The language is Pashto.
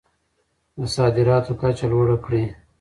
د صادراتو کچه لوړه کړئ.